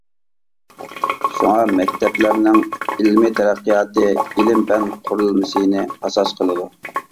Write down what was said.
شۇڭا مەكتەپلەرنىڭ ئىلمىي تەرەققىياتى ئىلىم-پەن قۇرۇلمىسىنى ئاساس قىلىدۇ.